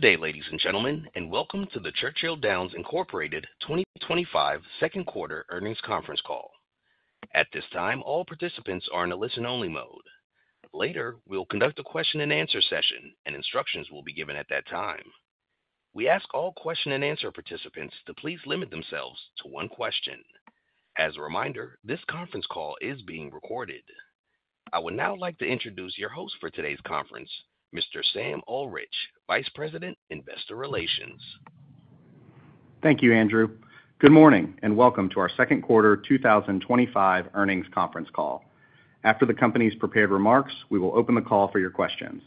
Day, ladies and gentlemen, and welcome to the Churchill Downs Incorporated twenty twenty five Second Quarter Earnings Conference Call. At this time, all participants are in a listen only mode. Later, we will conduct a question and answer session and instructions will be given at that time. We ask all question and answer participants to please limit themselves to one question. As a reminder, this conference call is being recorded. I would now like to introduce your host for today's conference, Mr. Sam Ulrich, Vice President, Investor Relations. Thank you, Andrew. Good morning, and welcome to our second quarter twenty twenty five earnings conference call. After the company's prepared remarks, we will open the call for your questions.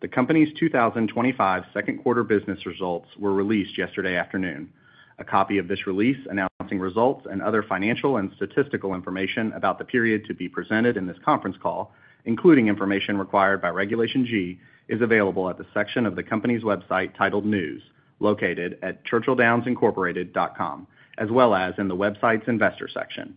The company's twenty twenty five second quarter business results were released yesterday afternoon. A copy of this release announcing results and other financial and statistical information about the period to be presented in this conference call, including information required by Regulation G, is available at the section of the company's website titled News located at churchilldownsincorporated.com as well as in the website's Investors section.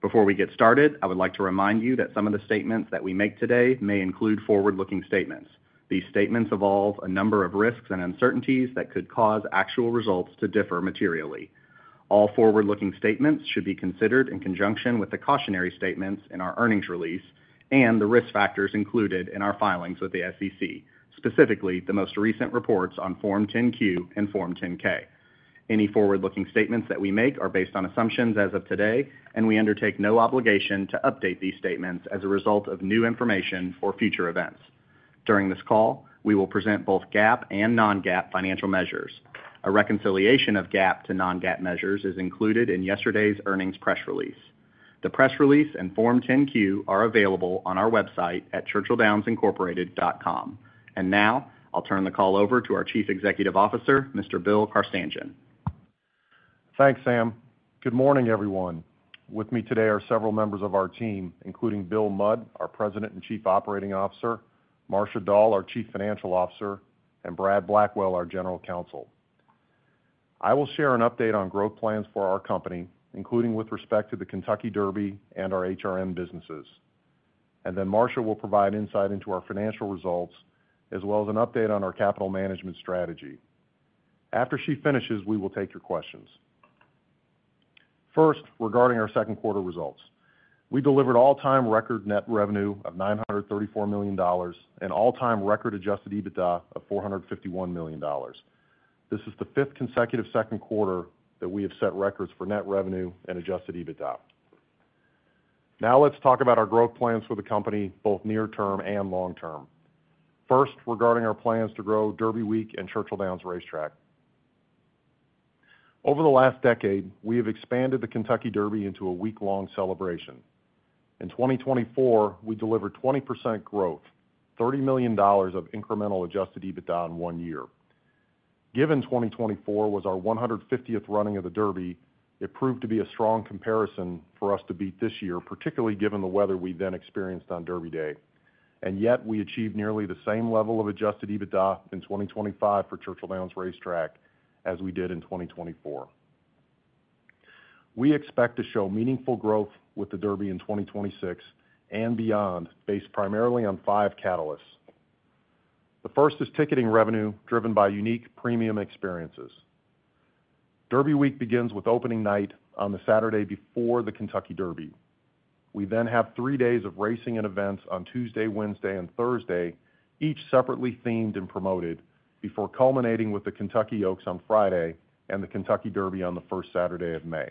Before we get started, I would like to remind you that some of the statements that we make today may include forward looking statements. These statements involve a number of risks and uncertainties that could cause actual results to differ materially. All forward looking statements should be considered in conjunction with the cautionary statements in our earnings release and the risk factors included in our filings with the SEC, specifically the most recent reports on Form 10 Q and Form 10 ks. Any forward looking statements that we make are based on assumptions as of today, and we undertake no obligation to update these statements as a result of new information or future events. During this call, we will present both GAAP and non GAAP financial measures. A reconciliation of GAAP to non GAAP measures is included in yesterday's earnings press release. The press release and Form 10 Q are available on our website at churchilldownsincorporated.com. And now I'll turn the call over to our Chief Executive Officer, Mr. Bill Carstangean. Thanks, Sam. Good morning, everyone. With me today are several members of our team, including Bill Mudd, our President and Chief Operating Officer Marcia Dahl, our Chief Financial Officer, and Brad Blackwell, our General Counsel. I will share an update on growth plans for our company, including with respect to the Kentucky Derby and our HRM businesses, And then Marsha will provide insight into our financial results as well as an update on our capital management strategy. After she finishes, we will take your questions. First, regarding our second quarter results. We delivered all time record net revenue of $934,000,000 and all time record adjusted EBITDA of $451,000,000 This is the fifth consecutive second quarter that we have set records for net revenue and adjusted EBITDA. Now let's talk about our growth plans for the company, both near term and long term. First, regarding our plans to grow Derby Week and Churchill Downs Racetrack. Over the last decade, we have expanded the Kentucky Derby into a weeklong celebration. In 2024, we delivered 20% growth, dollars 30,000,000 of incremental adjusted EBITDA in one year. Given 2024 was our one hundred and fiftieth running of the Derby, it proved to be a strong comparison for us to beat this year, particularly given the weather we then experienced on Derby Day. And yet, we achieved nearly the same level of adjusted EBITDA in 2025 for Churchill Downs Racetrack as we did in 2024. We expect to show meaningful growth with the Derby in 2026 and beyond based primarily on five catalysts. The first is ticketing revenue driven by unique premium experiences. Derby week begins with opening night on the Saturday before the Kentucky Derby. We then have three days of racing and events on Tuesday, Wednesday, and Thursday, each separately themed and promoted before culminating with the Kentucky Oaks on Friday and the Kentucky Derby on the May.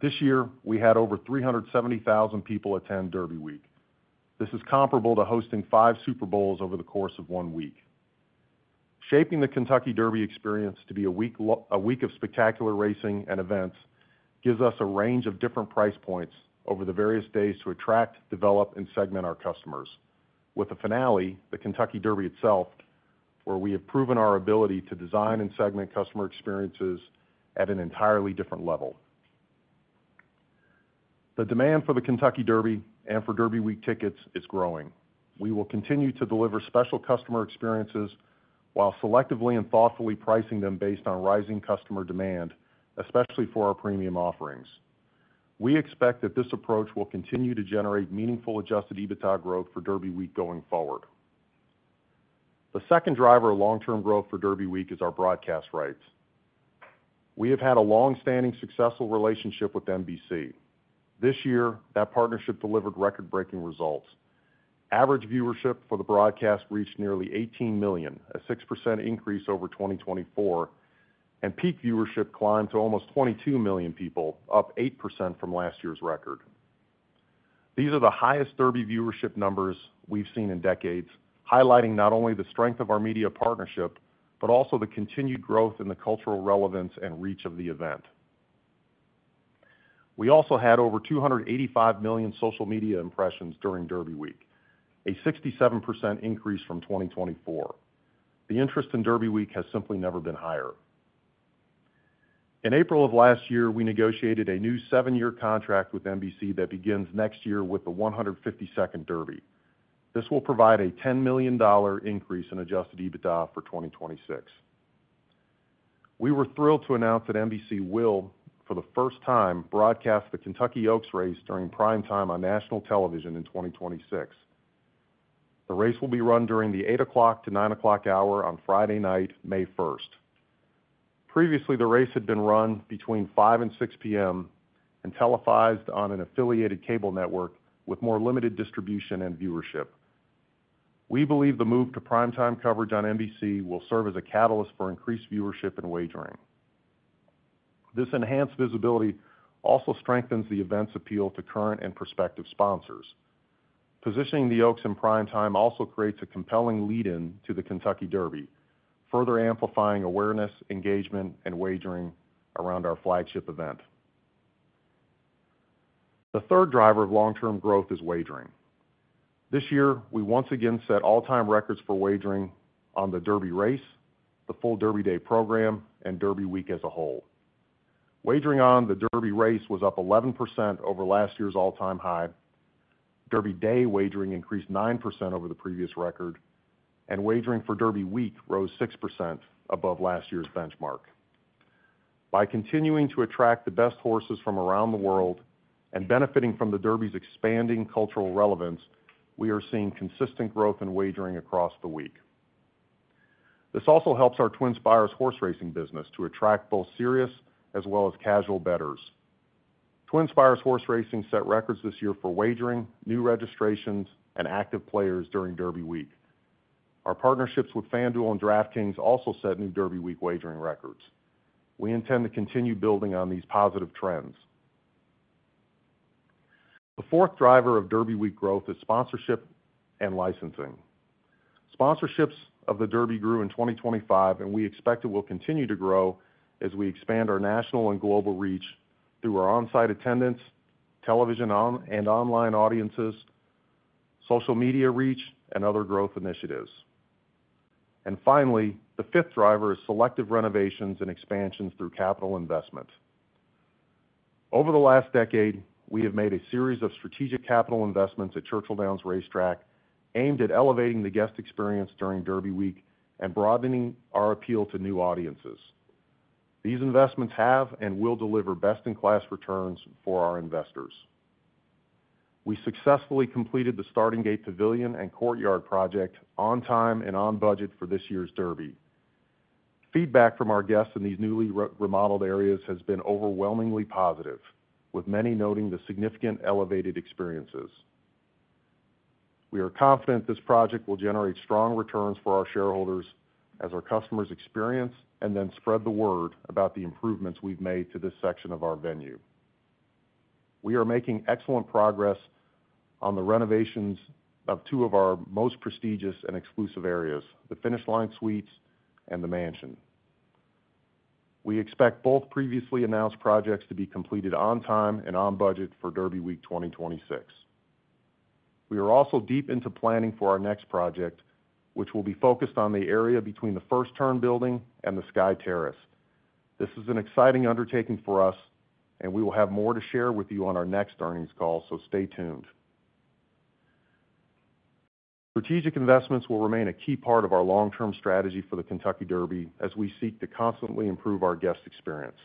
This year, we had over 370,000 people attend Derby Week. This is comparable to hosting five Super Bowls over the course of one week. Shaping the Kentucky Derby experience to be a week a week of spectacular racing and events gives us a range of different price points over the various days to attract, develop, and segment our customers with the finale, the Kentucky Derby itself, where we have proven our ability to design and segment customer experiences at an entirely different level. The demand for the Kentucky Derby and for Derby Week tickets is growing. We will continue to deliver special customer experiences while selectively and thoughtfully pricing them based on rising customer demand, especially for our premium offerings. We expect that this approach will continue to generate meaningful adjusted EBITDA growth for Derby Week going forward. The second driver of long term growth for Derby Week is our broadcast rights. We have had a long standing successful relationship with NBC. This year, that partnership delivered record breaking results. Average viewership for the broadcast reached nearly 18,000,000, a 6% increase over 2024, and peak viewership climbed to almost 22,000,000 people, up 8% from last year's record. These are the highest Derby viewership numbers we've seen in decades, highlighting not only the strength of our media partnership, but also the continued growth in the cultural relevance and reach of the event. We also had over 285,000,000 social media impressions during Derby Week, a 67% increase from 2024. The interest in Derby Week has simply never been higher. In April, we negotiated a new seven year contract with NBC that begins next year with the one hundred and fifty second Derby. This will provide a $10,000,000 increase in adjusted EBITDA for 2026. We were thrilled to announce that NBC will, for the first time, broadcast the Kentucky Oaks race during prime time on national television in 2026. The race will be run during the 08:00 to 09:00 hour on Friday night, May first. Previously, the race had been run between five and 6PM and televised on an affiliated cable network with more limited distribution and viewership. We believe the move to prime time coverage on NBC will serve as a catalyst for increased viewership and wagering. This enhanced visibility also strengthens the events appeal to current and prospective sponsors. Positioning the Oaks in prime time also creates a compelling lead in to the Kentucky Derby, further amplifying awareness, engagement, and wagering around our flagship event. The third driver of long term growth is wagering. This year, we once again set all time records for wagering on the Derby race, the full Derby Day program, and Derby Week as a whole. Wagering on the Derby race was up 11% over last year's all time high. Derby Day wagering increased 9% over the previous record, and wagering for derby week rose 6% above last year's benchmark. By continuing to attract the best horses from around the world and benefiting from the derby's expanding cultural relevance, we are seeing consistent growth in wagering across the week. This also helps our TwinSpires horse racing business to attract both serious as well as casual betters. TwinSpires horse racing set records this year for wagering, new registrations, and active players during Derby Week. Our partnerships with FanDuel and DraftKings also set new Derby Week wagering records. We intend to continue building on these positive trends. The fourth driver of Derby Week growth is sponsorship and licensing. Sponsorships of the Derby grew in 2025, and we expect it will continue to grow as we expand our national and global reach through our on-site attendance, television and online audiences, social media reach, and other growth initiatives. And finally, the fifth driver is selective renovations and expansions through capital investment. Over the last decade, we have made a series of strategic capital investments at Churchill Downs Racetrack aimed at elevating the guest experience during Derby Week and broadening our appeal to new audiences. These investments have and will deliver best in class returns for our investors. We successfully completed the Starting Gate Pavilion and Courtyard project on time and on budget for this year's Derby. Feedback from our guests in these newly remodeled areas has been overwhelmingly positive, with many noting the significant elevated experiences. We are confident this project will generate strong returns for our shareholders as our customers experience and then spread the word about the improvements we've made to this section of our venue. We are making excellent progress on the renovations of two of our most prestigious and exclusive areas, the Finish Line Suites and the Mansion. We expect both previously announced projects to be completed on time and on budget for Derby Week twenty twenty six. We are also deep into planning for our next project, which will be focused on the area between the First Turn Building and the Sky Terrace. This is an exciting undertaking for us, and we will have more to share with you on our next earnings call, so stay tuned. Strategic investments will remain a key part of our long term strategy for the Kentucky Derby as we seek to constantly improve our guest experience.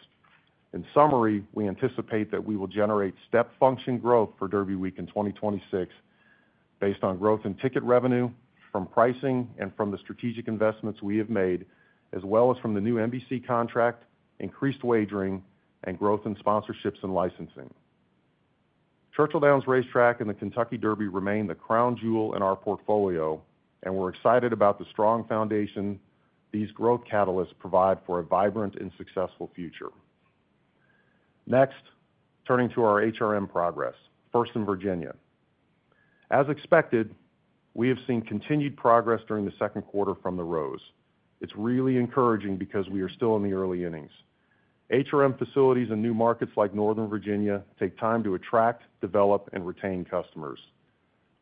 In summary, we anticipate that we will generate step function growth for Derby Week in 2026 based on growth in ticket revenue, from pricing, and from the strategic investments we have made, as well as from the new NBC contract, increased wagering, and growth in sponsorships and licensing. Churchill Downs Racetrack and the Kentucky Derby remain the crown jewel in our portfolio, and we're excited about the strong foundation these growth catalysts provide for a vibrant and successful future. Next, turning to our HRM progress, first in Virginia. As expected, we have seen continued progress during the second quarter from the Rose. It's really encouraging because we are still in the early innings. HRM facilities in new markets like Northern Virginia take time to attract, develop, and retain customers.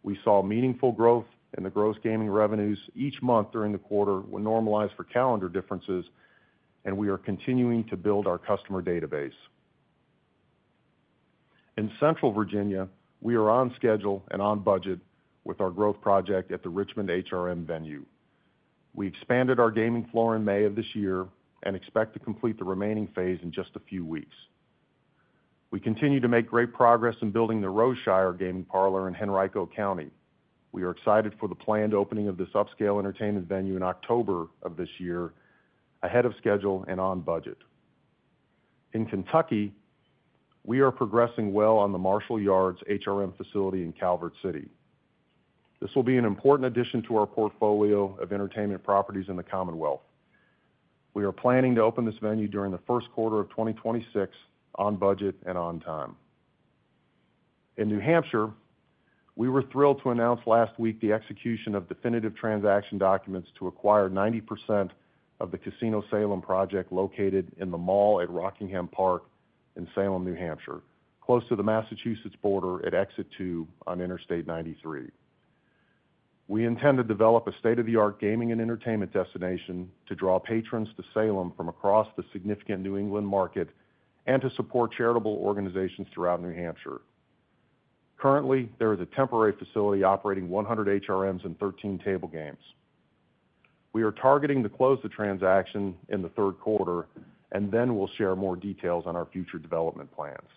We saw meaningful growth in the gross gaming revenues each month during the quarter when normalized for calendar differences, and we are continuing to build our customer database. In Central Virginia, we are on schedule and on budget with our growth project at the Richmond HRM venue. We expanded our gaming floor in May and expect to complete the remaining phase in just a few weeks. We continue to make great progress in building the Roshire gaming parlor in Henrico County. We are excited for the planned opening of this upscale entertainment venue in October, ahead of schedule and on budget. In Kentucky, we are progressing well on the Marshall Yards HRM facility in Calvert City. This will be an important addition to our portfolio of entertainment properties in the Commonwealth. We are planning to open this venue during the 2026 on budget and on time. In New Hampshire, we were thrilled to announce last week the execution of definitive transaction documents to acquire 90% of the Casino Salem project located in the mall at Rockingham Park in Salem, New Hampshire, close to the Massachusetts border at Exit 2 on Interstate 93. We intend to develop a state of the art gaming and entertainment destination to draw patrons to Salem from across the significant New England market and to support charitable organizations throughout New Hampshire. Currently, there is a temporary facility operating 100 HRMs and 13 table games. We are targeting to close the transaction in the third quarter and then we'll share more details on our future development plans.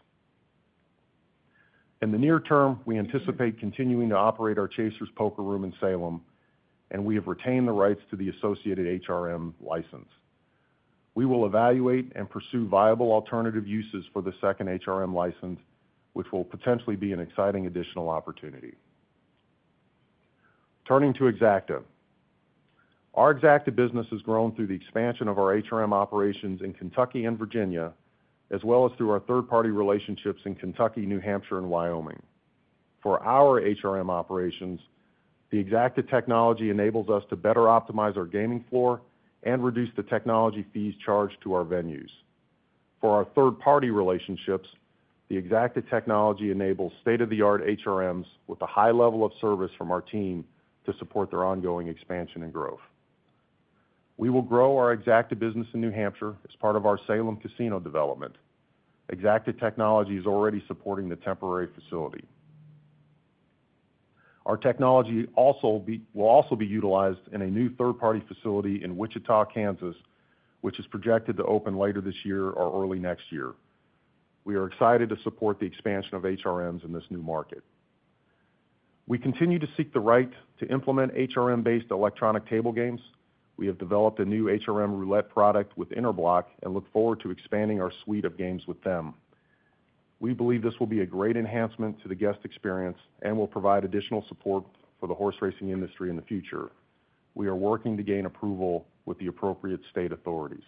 In the near term, we anticipate continuing to operate our Chasers poker room in Salem and we have retained the rights to the associated HRM license. We will evaluate and pursue viable alternative uses for the second HRM license, which will potentially be an exciting additional opportunity. Turning to Exacta. Our Exacta business has grown through the expansion of our HRM operations in Kentucky and Virginia, as well as through our third party relationships in Kentucky, New Hampshire, and Wyoming. For our HRM operations, the X ACTA technology enables us to better optimize our gaming floor and reduce the technology fees charged to our venues. For our third party relationships, the X ACTA technology enables state of the art HRMs with a high level of service from our team to support their ongoing expansion and growth. We will grow our X ACTA business in New Hampshire as part of our Salem Casino development. X ACTA technology is already supporting the temporary facility. Our technology also be will also be utilized in a new third party facility in Wichita, Kansas, which is projected to open later this year or early next year. We are excited to support the expansion of HRMs in this new market. We continue to seek the right to implement HRM based electronic table games. We have developed a new HRM roulette product with Interblock and look forward to expanding our suite of games with them. We believe this will be a great enhancement to the guest experience and will provide additional support for the horse racing industry in the future. We are working to gain approval with the appropriate state authorities.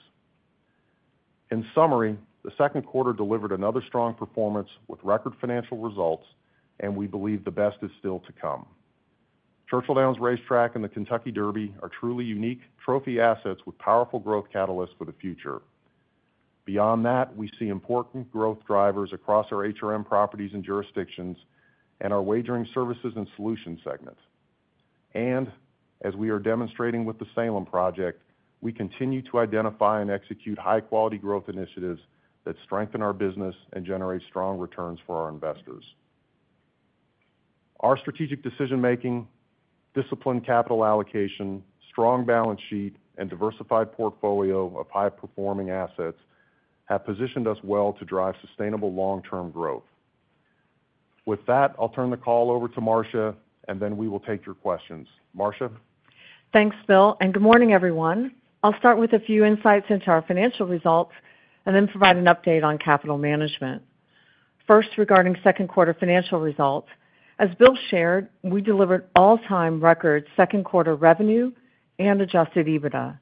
In summary, the second quarter delivered another strong performance with record financial results and we believe the best is still to come. Churchill Downs Racetrack and the Kentucky Derby are truly unique trophy assets with powerful growth catalysts for the future. Beyond that, we see important growth drivers across our HRM properties and jurisdictions and our Wagering Services and Solutions segment. And as we are demonstrating with the Salem project, we continue to identify and execute high quality growth initiatives that strengthen our business and generate strong returns for our investors. Our strategic decision making, disciplined capital allocation, strong balance sheet and diversified portfolio of high performing assets have positioned us well to drive sustainable long term growth. With that, I'll turn the call over to Marcia, and then we will take your questions. Marcia? Thanks, Bill, and good morning, everyone. I'll start with a few insights into our financial results and then provide an update on capital management. First, regarding second quarter financial results. As Bill shared, we delivered all time record second quarter revenue and adjusted EBITDA.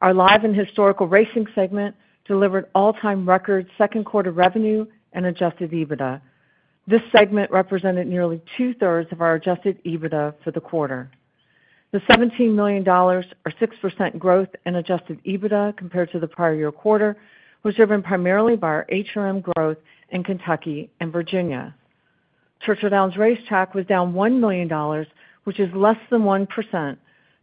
Our Live and Historical Racing segment delivered all time record second quarter revenue and adjusted EBITDA. This segment represented nearly two thirds of our adjusted EBITDA for the quarter. The $17,000,000 or 6% growth in adjusted EBITDA compared to the prior year quarter was driven primarily by our HRM growth in Kentucky and Virginia. Churchill Downs Racetrack was down $1,000,000 which is less than 1%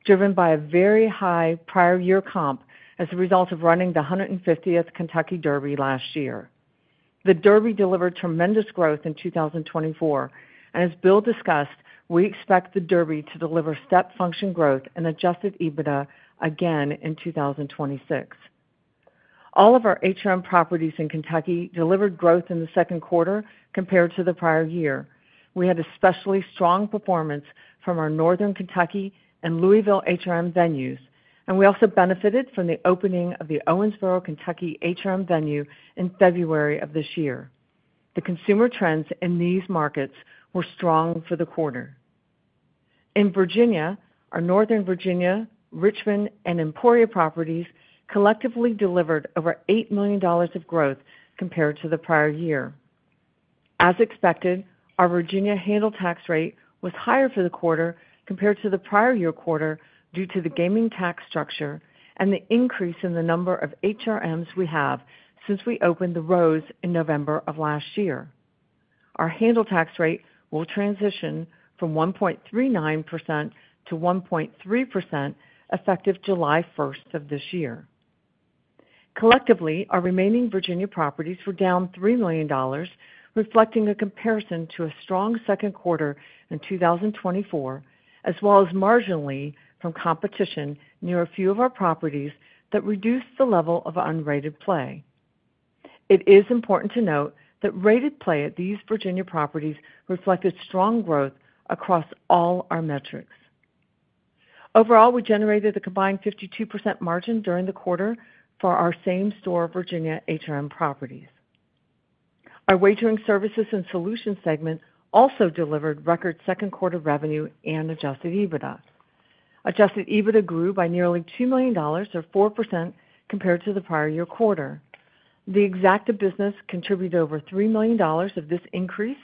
driven by a very high prior year comp as a result of running the one hundred and fiftieth Kentucky Derby last year. The Derby delivered tremendous growth in 2024 And as Bill discussed, we expect the Derby to deliver step function growth and adjusted EBITDA again in 2026. All of our HRM properties in Kentucky delivered growth in the second quarter compared to the prior year. We had especially strong performance from our Northern Kentucky and Louisville HRM venues and we also benefited from the opening of the Owensboro, Kentucky HRM venue in February. The consumer trends in these markets were strong for the quarter. In Virginia, our Northern Virginia, Richmond and Emporia properties collectively delivered over 8,000,000 of growth compared to the prior year. As expected, our Virginia handle tax rate was higher for the quarter compared to the prior year quarter due to the gaming tax structure and the increase in the number of HRMs we have since we opened the Rose in November. Our handle tax rate will transition from 1.39% to 1.3% effective July 1. Collectively, our remaining Virginia properties were down $3,000,000 reflecting a comparison to a strong second quarter in 2024, as well as marginally from competition near a few of our properties that reduced the level of unrated play. It is important to note that rated play at these Virginia properties reflected strong growth across all our metrics. Overall, we generated a combined 52% margin during the quarter for our same store Virginia properties. Our Wagering Services and Solutions segment also delivered record second quarter revenue and adjusted EBITDA. Adjusted EBITDA grew by nearly $2,000,000 or 4% compared to the prior year quarter. The Exacta business contributed over $3,000,000 of this increase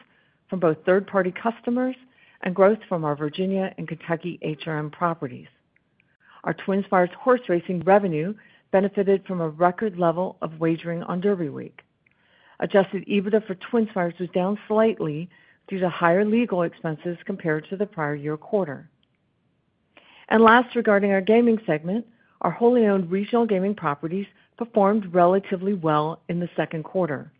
from both third party customers and growth from our Virginia and Kentucky HRM properties. Our TwinSpires horseracing revenue benefited from a record level of wagering on Derby Week. Adjusted EBITDA for TwinSpires was down slightly due to higher legal expenses compared to the prior year quarter. And last, regarding our gaming segment, our wholly owned regional gaming properties performed relatively well in the second quarter.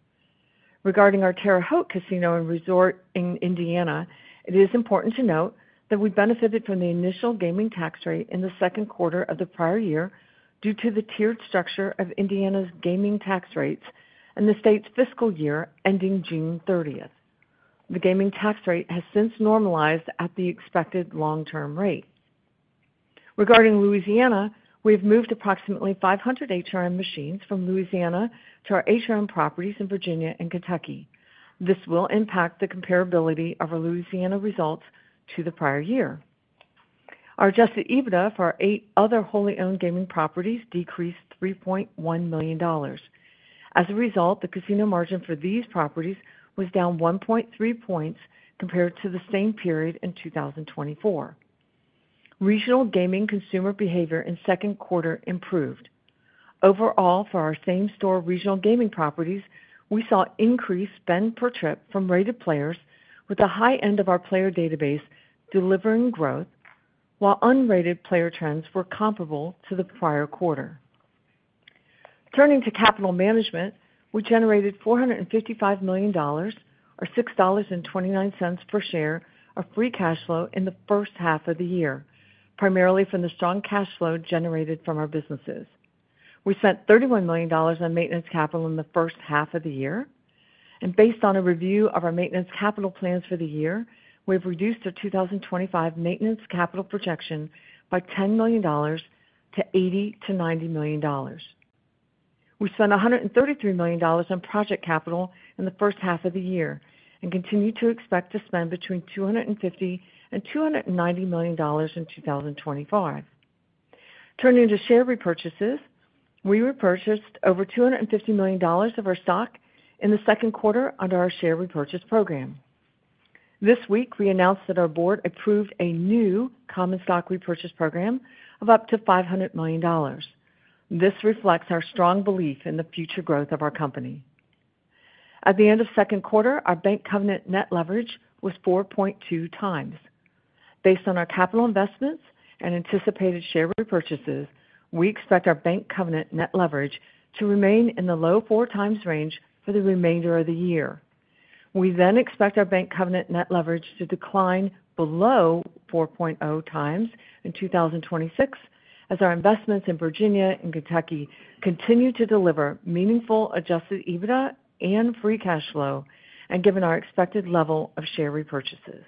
Regarding our Terre Haute Casino and Resort in Indiana, it is important to note that we benefited from the initial gaming tax rate in the second quarter of the prior year due to the tiered structure of Indiana's gaming tax rates in the state's fiscal year ending June 30. The gaming tax rate has since normalized at the expected long term rate. Regarding Louisiana, we've moved approximately 500 HRM machines from Louisiana to our HRM properties in Virginia and Kentucky. This will impact the comparability of our Louisiana results to the prior year. Our adjusted EBITDA for our eight other wholly owned gaming properties decreased $3,100,000 As a result, the casino margin for these properties was down 1.3 points compared to the same period in 2024. Regional gaming consumer behavior in second quarter improved. Overall, for our same store regional gaming properties, we saw increased spend per trip from rated players with the high end of our player database delivering growth, while unrated player trends were comparable to the prior quarter. Turning to capital management, we generated $455,000,000 or $6.29 per share of free cash flow in the first half of the year, primarily from the strong cash flow generated from our businesses. We spent $31,000,000 on maintenance capital in the first half of the year. And based on a review of our maintenance capital plans for the year, we've reduced our 2025 maintenance capital projection by $10,000,000 to $80,000,000 to $90,000,000 We spent $133,000,000 on project capital in the first half of the year and continue to expect to spend between $250,000,000 and $290,000,000 in 2025. Turning to share repurchases, we repurchased over $250,000,000 of our stock in the second quarter under our share repurchase program. This week, we announced that our board approved a new common stock repurchase program of up to $500,000,000 This reflects our strong belief in the future growth of our company. At the end of second quarter, our bank covenant net leverage was 4.2 times. Based on our capital investments and anticipated share repurchases, we expect our bank covenant net leverage to remain in the low four times range for the remainder of the year. We then expect our bank covenant net leverage to decline below four point zero times in 2026 as our investments in Virginia and Kentucky continue to deliver meaningful adjusted EBITDA and free cash flow and given our expected level of share repurchases.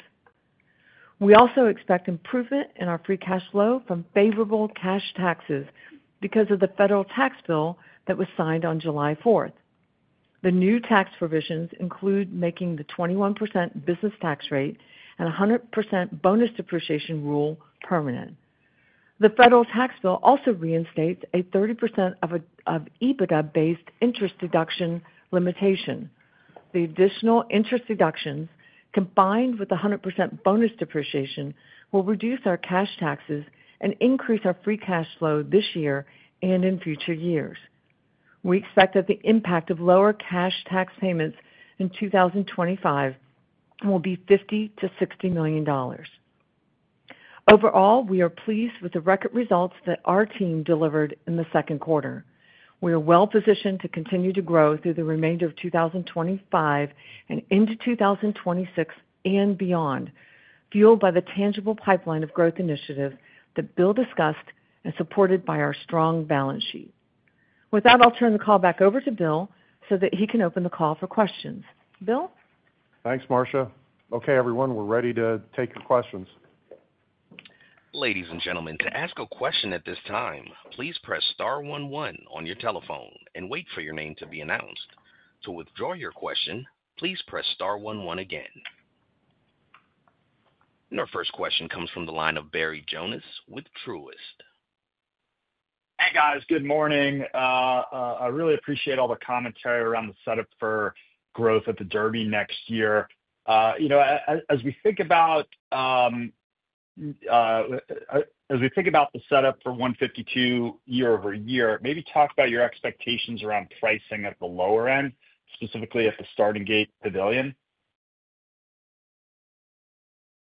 We also expect improvement in our free cash flow from favorable cash taxes because of the federal tax bill that was signed on July 4. The new tax provisions include making the 21 business tax rate and 100% bonus depreciation rule permanent. The federal tax bill also reinstates a 30% of EBITDA based interest deduction limitation. The additional interest deductions, combined with 100% bonus depreciation will reduce our cash taxes and increase our free cash flow this year and in future years. We expect that the impact of lower cash tax payments in 2025 will be $50,000,000 to $60,000,000 Overall, we are pleased with the record results that our team delivered in the second quarter. We are well positioned to continue to grow through the remainder of 2025 and into 2026 and beyond, fueled by the tangible pipeline of growth initiatives that Bill discussed and supported by our strong balance sheet. With that, I'll turn the call back over to Bill so that he can open the call for questions. Bill? Thanks, Marsha. Okay, everyone. We're ready to take your questions. And our first question comes from the line of Barry Jonas with Truist. Hey, guys. Good morning. I really appreciate all the commentary around the setup for growth at the Derby next year. As we think about the setup for 152 year over year, maybe talk about your expectations around pricing at the lower end, specifically at the starting gate pavilion?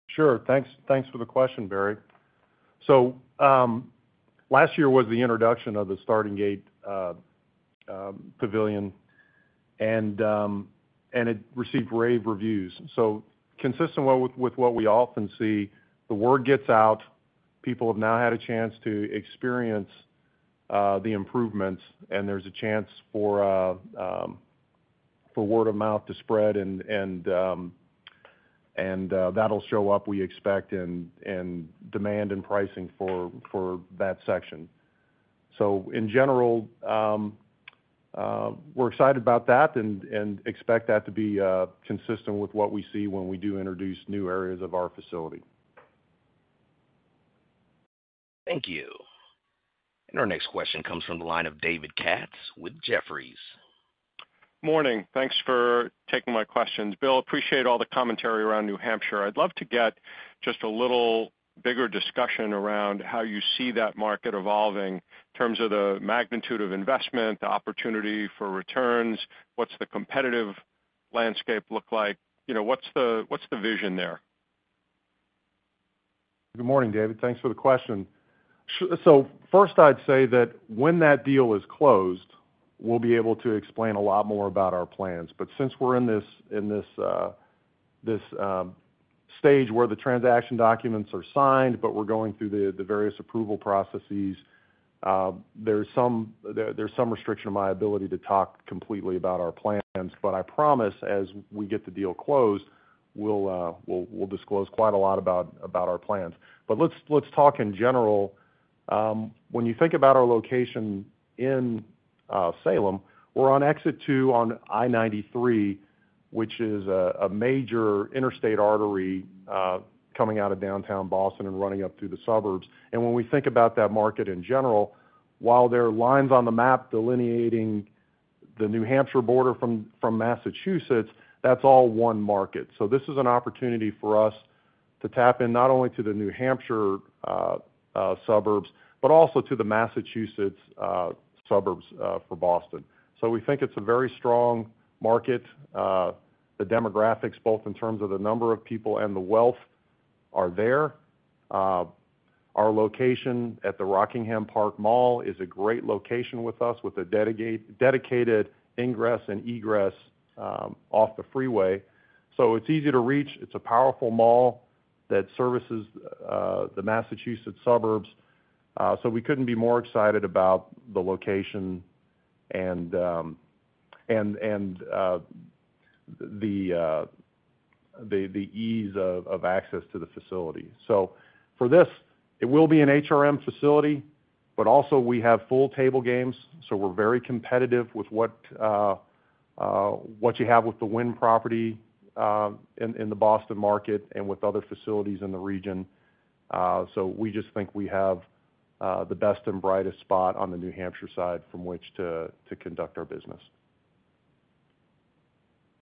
Sure. Thanks. Thanks for the question, Barry. So, last year was the introduction of the starting gate, pavilion, and and it received rave reviews. So consistent with with what we often see, the word gets out. People have now had a chance to experience, the improvements, and there's a chance for for word-of-mouth to spread and and that'll show up, we expect, in in demand and pricing for for that section. So in general, we're excited about that and expect that to be consistent with what we see when we do introduce new areas of our facility. Thank you. And our next question comes from the line of David Katz with Jefferies. Morning. Thanks for taking my questions. Bill, appreciate all the commentary around New Hampshire. I'd love to get just a little bigger discussion around how you see that market evolving in terms of the magnitude of investment, the opportunity for returns, What's the competitive landscape look like? What's the vision there? Good morning, David. Thanks for the question. So first, I'd say that when that deal is closed, we'll be able to explain a lot more about our plans. But since we're in this stage where the transaction documents are signed, but we're going through the various approval processes, There's some restriction of my ability to talk completely about our plans, but I promise as we get the deal closed, we'll disclose quite a lot about our plans. But let's talk in general. When you think about our location in, Salem, we're on Exit 2 on I-ninety 3, which is a major interstate artery, coming out of Downtown Boston and running up through the suburbs. And when we think about that market in general, while there are lines on the map delineating the New Hampshire border from Massachusetts, that's all one market. So this is an opportunity for us to tap in not only to the New Hampshire, suburbs, but also to the Massachusetts, suburbs, for Boston. So we think it's a very strong market. The demographics both in terms of the number of people and the wealth are there. Our location at the Rockingham Park Mall is a great location with us with a dedicate dedicated ingress and egress, off the freeway. So it's easy to reach. It's a powerful mall that services, the Massachusetts suburbs. So we couldn't be more excited about the location and and and the the ease of access to the facility. So for this, it will be an HRM facility, but also we have full table games. So we're very competitive with what, what you have with the Wynn property in the Boston market and with other facilities in the region. So we just think we have, the best and brightest spot on the New Hampshire side from which to conduct our business.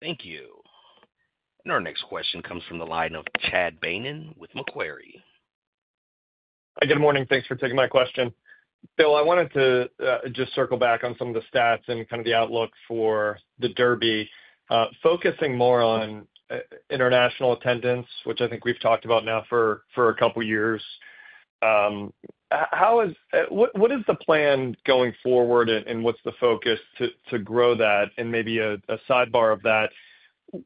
Thank you. And our next question comes from the line of Chad Beynon with Macquarie. Hi, good morning. Thanks for taking my question. Bill, I wanted to just circle back on some of the stats and kind of the outlook for the Derby. Focusing more on international attendance, which I think we've talked about now for for a couple years. How is what is the plan going forward and what's the focus to grow that and maybe a sidebar of that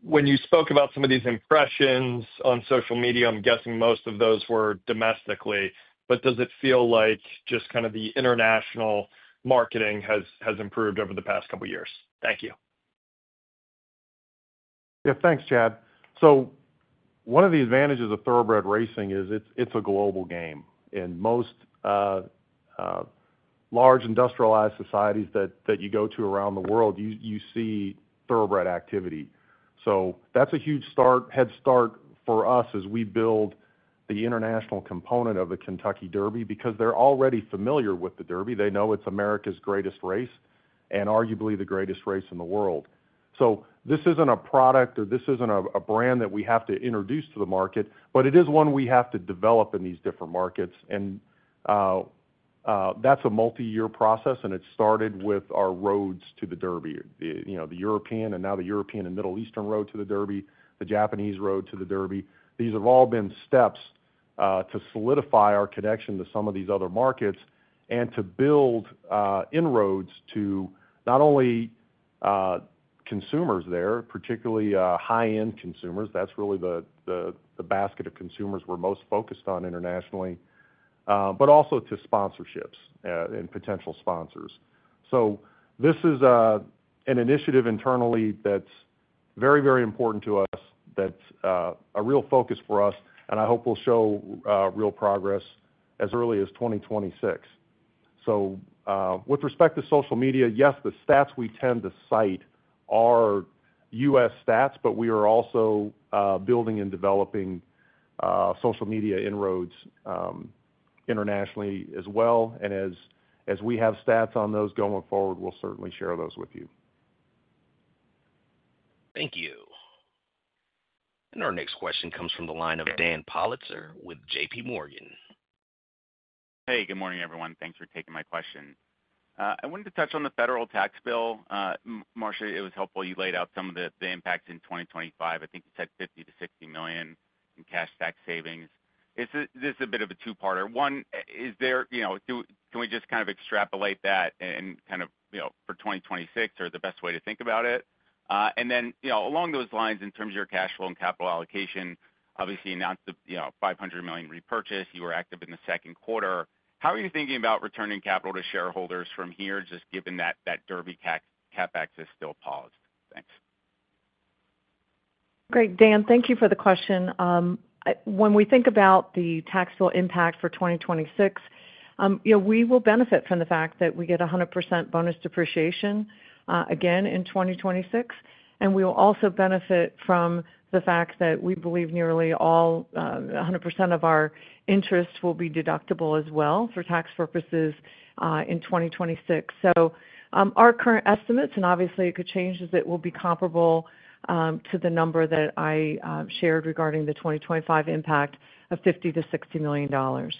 When you spoke about some of these impressions on social media, I'm guessing most of those were domestically. But does it feel like just kind of the international marketing has improved over the past couple of years? Thank you. Yeah. Thanks, Chad. So one of the advantages of Thoroughbred racing is it's a global game. In most large industrialized societies that you go to around the world, you see thoroughbred activity. So that's a huge start head start for us as we build the international component of the Kentucky Derby because they're already familiar with the Derby. They know it's America's greatest race and arguably the greatest race in the world. So this isn't a product or this isn't a brand that we have to introduce to the market, but it is one we have to develop in these different markets. And, that's a multiyear process, it started with our roads to the Derby, you know, the European and now the European and Middle Eastern road to the Derby, the Japanese road to the Derby. These have all been steps, to solidify our connection to some of these other markets and to build, inroads to not only consumers there, particularly, high end consumers. That's really the basket of consumers we're most focused on internationally, but also to sponsorships, and potential sponsors. So this is, an initiative internally that's very, very important to us. That's, a real focus for us, and I hope will show, real progress as early as 2026. So, with respect to social media, yes, the stats we tend to cite are US stats, but we are also, building and developing, social media inroads internationally as well. And as as we have stats on those going forward, we'll certainly share those with you. Thank you. And our next question comes from the line of Dan Politzer with JPMorgan. Hey, good morning, everyone. Thanks for taking my question. I wanted to touch on the federal tax bill. Marcia, it was helpful you laid out some of the impacts in 2025. I think you said 50,000,000 to $60,000,000 in cash tax savings. Is this a bit of a two parter? One, is there can we just kind of extrapolate that and kind of for 2026 or the best way to think about it? And then along those lines, in terms of your cash flow and capital allocation, obviously, you announced a $500,000,000 repurchase. You were active in the second quarter. How are you thinking about returning capital to shareholders from here, just given that that Derby CapEx is still paused? Thanks. Great. Dan, thank you for the question. When we think about the taxable impact for 2026, we will benefit from the fact that we get 100% bonus depreciation again in 2026, And we will also benefit from the fact that we believe nearly all 100% of our interest will be deductible as well for tax purposes in 2026. So our current estimates and obviously it could change is that it will be comparable to the number that I shared regarding the 2025 impact of 50,000,000 to $60,000,000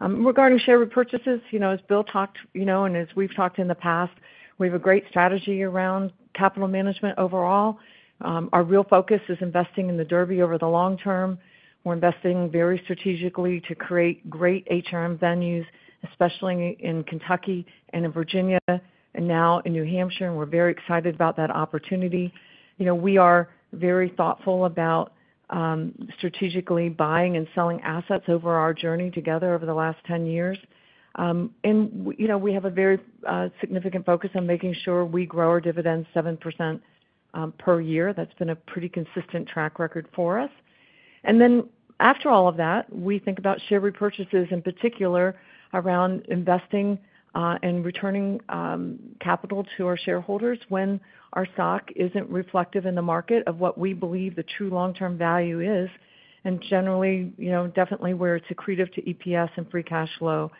Regarding share repurchases, as Bill talked and as we've talked in the past, we have a great strategy around capital management overall. Our real focus is investing in the Derby over the long term. We're investing very strategically to create great HRM venues, especially in Kentucky and in Virginia and now in New Hampshire. We're very excited about that opportunity. We are very thoughtful about strategically buying and selling assets over our journey together over the last ten years. And we have a very significant focus on making sure we grow our dividend seven percent per year. That's been a pretty consistent track record for us. And then after all of that, we think about share repurchases in particular around investing and returning capital to our shareholders when our stock isn't reflective in the market of what we believe the true long term value is and generally, definitely where it's accretive to EPS and free cash flow.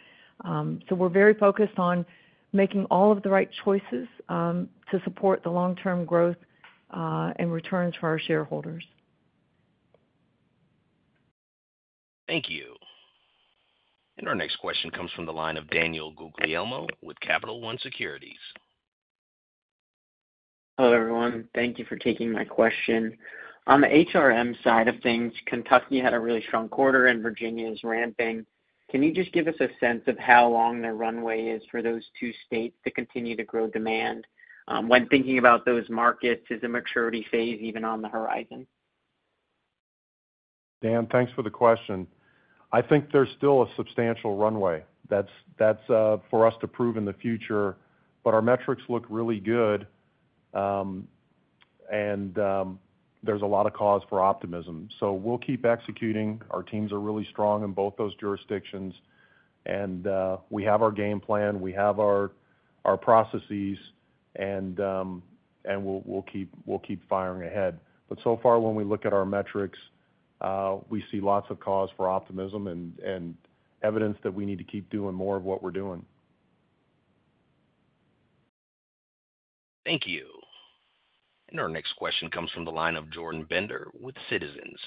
So we're very focused on making all of the right choices to support the long term growth and returns for our shareholders. Thank you. And our next question comes from the line of Daniel Guglielmo with Capital One Securities. Hello, everyone. Thank you for taking my question. On the HRM side of things, Kentucky had a really strong quarter and Virginia is ramping. Can you just give us a sense of how long the runway is for those two states to continue to grow demand? When thinking about those markets, is the maturity phase even on the horizon? Dan, thanks for the question. I think there's still a substantial runway that's for us to prove in the future, but our metrics look really good, and there's a lot of cause for optimism. So we'll keep executing. Our teams are really strong in both those jurisdictions, and, we have our game plan. We have our our processes, and and we'll keep firing ahead. But so far, when we look at our metrics, we see lots of cause for optimism and evidence that we need to keep doing more of what we're doing. Thank you. And our next question comes from the line of Jordan Bender with Citizens.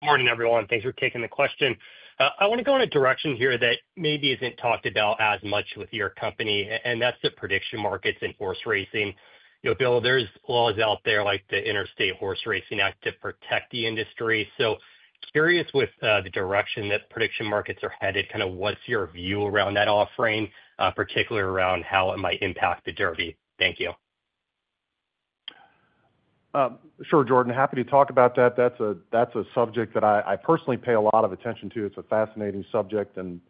Good morning, everyone. Thanks for taking the question. I want go in a direction here that maybe isn't talked about as much with your company, and that's the prediction markets in horse racing. Bill, there's laws out there like the Interstate Horse Racing Act to protect the industry. So curious with the direction that prediction markets are headed, kind of what's your view around that offering, particularly around how it might impact the Derby? Thank you. Sure, Jordan. Happy to talk about that. That's a that's a subject that I I personally pay a lot of attention to. It's a fascinating subject, and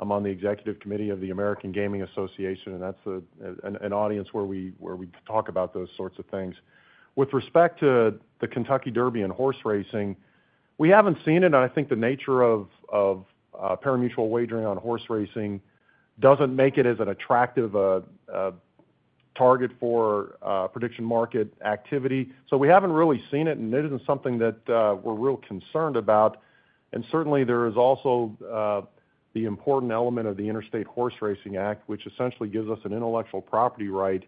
I'm on the executive committee of the American Gaming Association, and that's an audience where we where we talk about those sorts of things. With respect to the Kentucky Derby and horseracing, we haven't seen it. And I think the nature of of pari mutuel wagering on horse racing doesn't make it as an attractive target for prediction market activity. So we haven't really seen it, and it isn't something that, we're real concerned about. And certainly, there is also, the important element of the Interstate Horse Racing Act, which essentially gives us an intellectual property right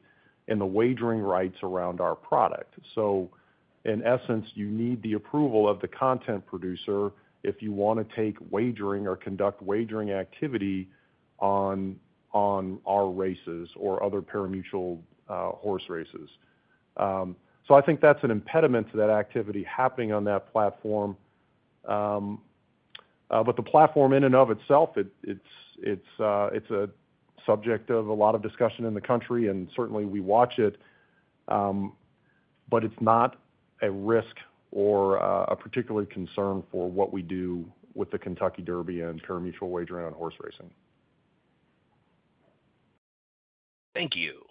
and the wagering rights around our product. So in essence, you need the approval of the content producer if you wanna take wagering or conduct wagering activity on on our races or other pari mutuel, horse races. So I think that's an impediment to that activity happening on that platform. But the platform in and of itself, it's subject of a lot of discussion in the country, and certainly we watch it, but it's not a risk or particular concern for what we do with the Kentucky Derby and current mutual wagering on horse racing. Thank you.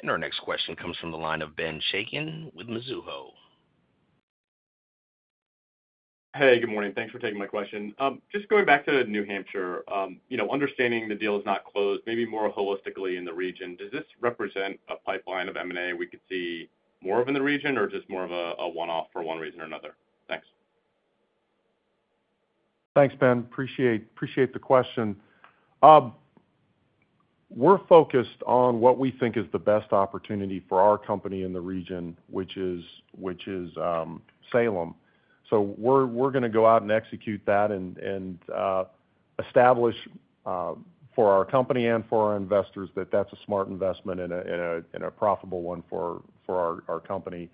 And our next question comes from the line of Ben Shakin with Mizuho. Hey, good morning. Thanks for taking my question. Just going back to New Hampshire, understanding the deal is not closed, maybe more holistically in the region, does this represent a pipeline of M and A we could see more of in the region or just more of a one off for one reason or another? Thanks. Thanks, Ben. Appreciate appreciate the question. We're focused on what we think is the best opportunity for our company in the region, which is which is, Salem. So we're we're gonna go out and execute that and and establish for our company and for our investors that that's a smart investment and a and a and a profitable one for for our our company.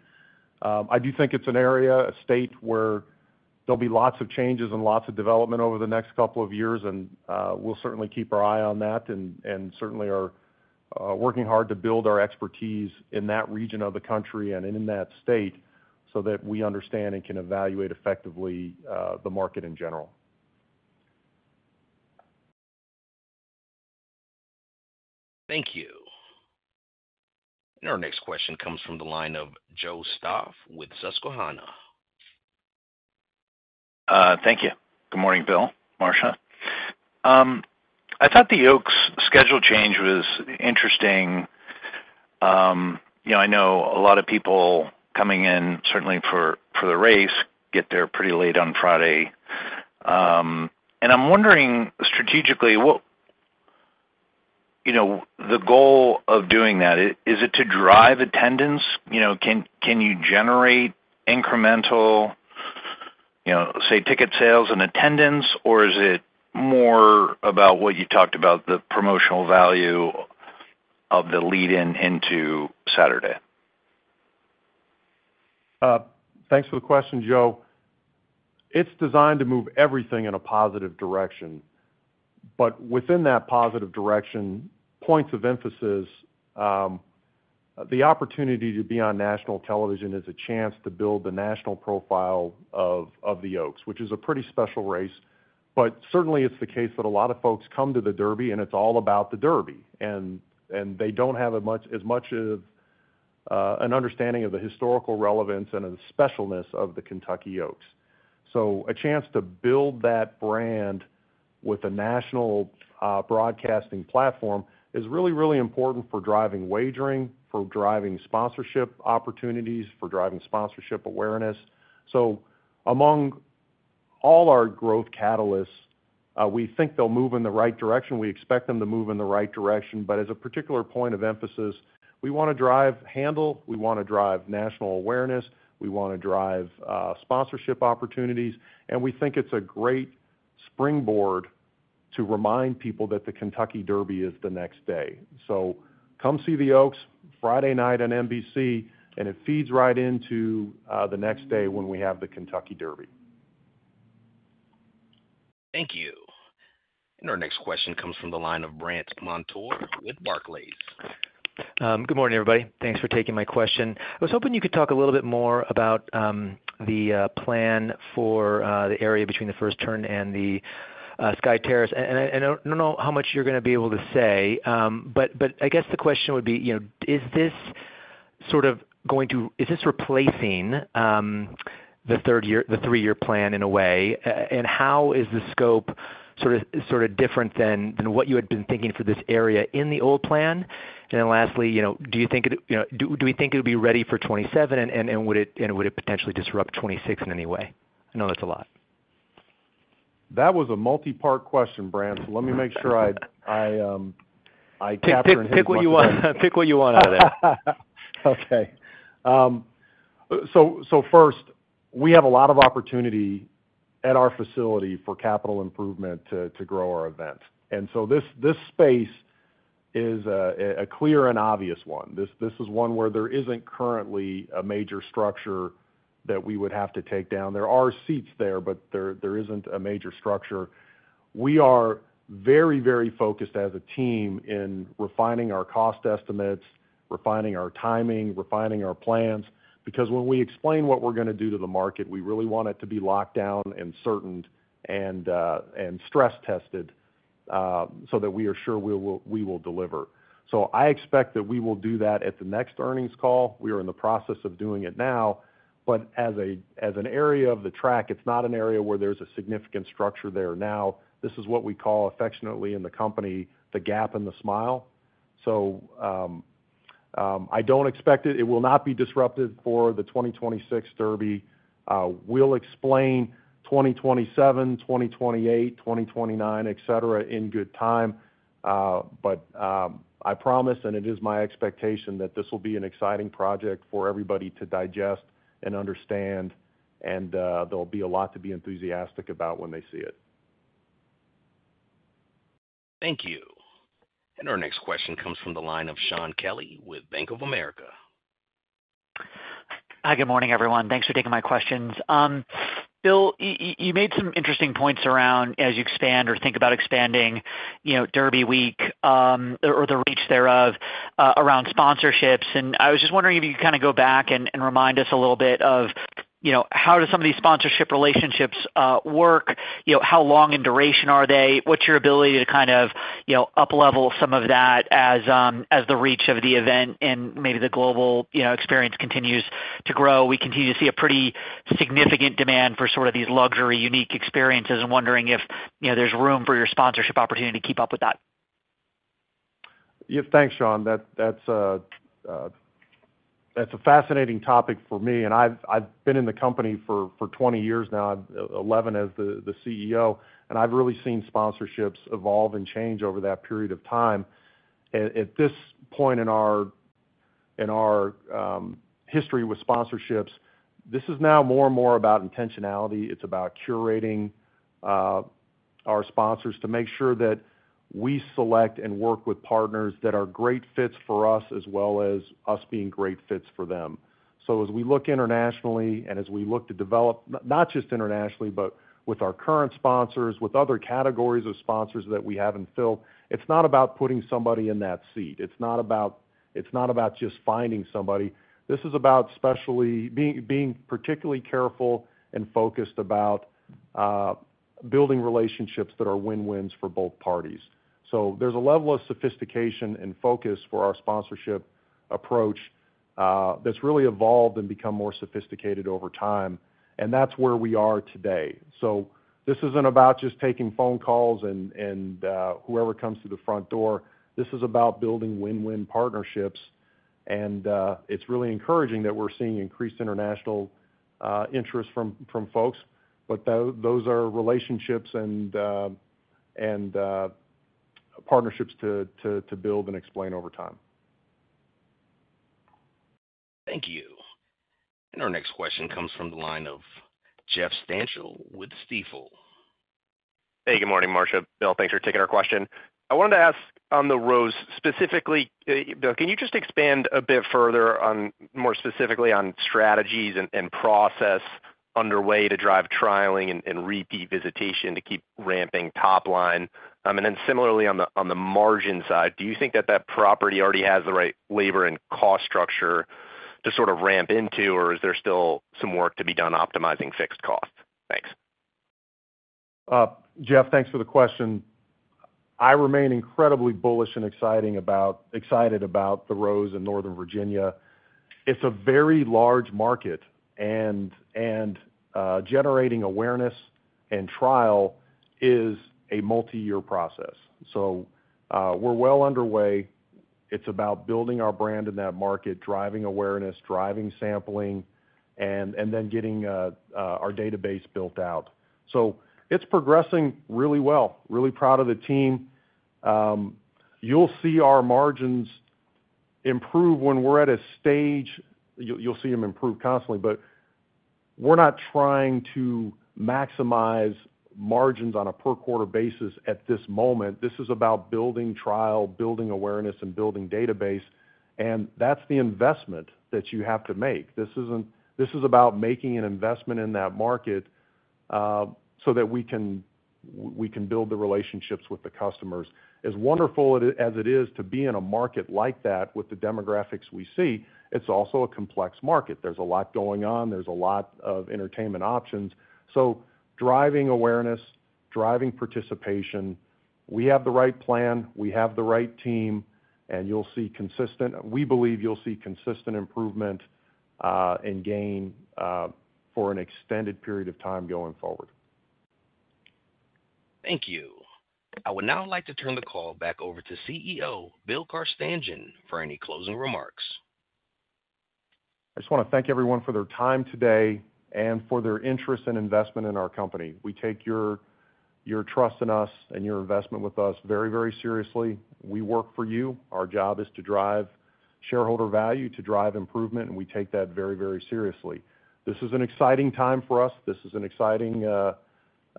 I do think it's an area, a state where there'll be lots of changes and lots of development over the next couple of years, and we'll certainly keep our eye on that and certainly are working hard to build our expertise in that region of the country and in that state so that we understand and can evaluate effectively the market in general. Thank you. And our next question comes from the line of Joe Stauff with Susquehanna. Thank you. Good morning, Bill, Marsha. I thought the Oaks schedule change was interesting. I know a lot of people coming in certainly for for the race get there pretty late on Friday. And I'm wondering strategically what you know, the goal of doing that, is it to drive attendance? You know, can can you generate incremental, you know, say, ticket sales and attendance? Or is it more about what you talked about, the promotional value of the lead in into Saturday? Thanks for the question, Joe. It's designed to move everything in a positive direction. But within that positive direction, points of emphasis, the opportunity to be on national television is a chance to build the national profile of of the Oaks, which is a pretty special race. But certainly, it's the case that a lot of folks come to the Derby, and it's all about the Derby. And and they don't have a much as much of an understanding of the historical relevance and the specialness of the Kentucky Oaks. So a chance to build that brand with a national, broadcasting platform is really, really important for driving wagering, for driving sponsorship opportunities, for driving sponsorship awareness. So among all our growth catalysts, we think they'll move in the right direction. We expect them to move in the right direction. But as a particular point of emphasis, we wanna drive handle. We wanna drive national awareness. We wanna drive, sponsorship opportunities, and we think it's a great springboard to remind people that the Kentucky Derby is the next day. So come see the Oaks Friday night on NBC, and it feeds right into, the next day when we have the Kentucky Derby. Thank you. And our next question comes from the line of Brandt Montour with Barclays. Good morning everybody. Thanks for taking my question. I was hoping you could talk a little bit more about the plan for the area between the first Turn and the Sky Terrace and I don't know how much you're going to be able to say but I guess the question would be is this sort of going to is this replacing the three year plan in a way and how is the scope sort of different than what you had been thinking for this area in the old plan? And then lastly, you know, do you think it you know, do do we think it'll be ready for '27, and and and would it and would it potentially disrupt '26 in any way? I know that's a lot. That was a multipart question, Brandt. So let me make sure I I can't remember you want. Pick what you want out of there. Okay. So so first, we have a lot of opportunity at our facility for capital improvement to to grow our event. And so this space is a clear and obvious one. This is one where there isn't currently a major structure that we would have to take down. There are seats there, but there isn't a major structure. We are very, very focused as a team in refining our cost estimates, refining our timing, refining our plans. Because when we explain what we're going to do to the market, we really want it to be locked down and certain and stress tested, so that we are sure we will deliver. So I expect that we will do that at the next earnings call. We are in the process of doing it now. But as an area of the track, it's not an area where there's a significant structure there. Now this is what we call affectionately in the company, the gap and the smile. So, I don't expect it. It will not be disrupted for the twenty twenty six Derby. We'll explain 2027, 2028, 2029, etcetera, in good time. But, I promise, and it is my expectation that this will be an exciting project for everybody to digest and understand, and there'll be a lot to be enthusiastic about when they see it. Thank you. And our next question comes from the line of Shaun Kelley with Bank of America. Hi, good morning everyone. Thanks for taking my questions. Bill, you made some interesting points around as you expand or think about expanding Derby Week or the reach thereof around sponsorships. And I was just wondering if you could kind of go back and remind us a little bit of how does some of these sponsorship relationships work? How long in duration are they? What's your ability to kind of up level some of that as the reach of the event and maybe the global experience continues to grow? We continue to see a pretty significant demand for sort of these luxury unique experiences. I'm wondering if there's room for your sponsorship opportunity to keep up with that. Yeah. Thanks, Sean. That that's a that's a fascinating topic for me, and I've I've been in the company for for twenty years now. I'm 11 as the the CEO, and I've really seen sponsorships evolve and change over that period of time. At this point in our in our, history with sponsorships, this is now more and more about intentionality. It's about curating, our sponsors to make sure that we select and work with partners that are great fits for us as well as us being great fits for them. So as we look internationally and as we look to develop, not just internationally, but with our current sponsors, with other categories of sponsors that we haven't filled, It's not about putting somebody in that seat. It's not about it's not about just finding somebody. This is about especially being being particularly careful and focused about, building relationships that are win wins for both parties. So there's a level of sophistication and focus for our sponsorship approach, that's really evolved and become more sophisticated over time, and that's where we are today. So this isn't about just taking phone calls and and, whoever comes to the front door. This is about building win win partnerships. And, it's really encouraging that we're seeing increased international, interest from from folks. But those are relationships and and partnerships to to to build and explain over time. Thank you. And our next question comes from the line of Jeff Stanchell with Stifel. Hey, good morning, Marcia, Bill. Thanks for taking our question. I wanted to ask on the ROSE specifically, Bill, can you just expand a bit further on more specifically on strategies and process underway to drive trialing and repeat visitation to keep ramping top line? And then similarly on the margin side, do you think that that property already has the right labor and cost structure to sort of ramp into? Or is there still some work to be done optimizing fixed costs? Thanks. Jeff, thanks for the question. I remain incredibly bullish and excited about The Rose in Northern Virginia. It's a very large market and generating awareness and trial is a multiyear process. So, we're well underway. It's about building our brand in that market, driving awareness, driving sampling, and then getting, our database built out. So it's progressing really well. Really proud of the team. You'll see our margins improve when we're at a stage. You'll see them improve constantly, but we're not trying to maximize margins on a per quarter basis at this moment. This is about building trial, building awareness, and building database, and that's the investment that you have to make. This isn't this is about making an investment in that market so that we can can build the relationships with the customers. As wonderful as it is to be in a market like that with the demographics we see, it's also a complex market. There's a lot going on. There's a lot of entertainment options. So driving awareness, driving participation, we have the right plan. We have the right team, and you'll see consistent we believe you'll see consistent improvement, and gain, for an extended period of time going forward. Thank you. I would now like to turn the call back over to CEO, Bill Carstanjen, for any closing remarks. I just wanna thank everyone for their time today and for their interest and investment in our company. We take your trust in us and your investment with us very, very seriously. We work for you. Our job is to drive shareholder value, to drive improvement, and we take that very, very seriously. This is an exciting time for us. This is an exciting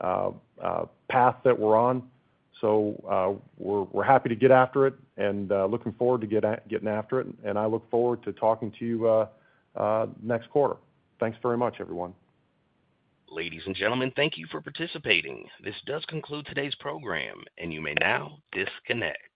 path that we're on. So, we're happy to get after it and, looking forward to getting after it. And I look forward to talking to you, next quarter. Thanks very much, everyone. Ladies and gentlemen, thank you for participating. This does conclude today's program, and you may now disconnect.